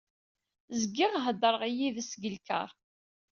Zgiɣ heddreɣ yid-s deg lkaṛ.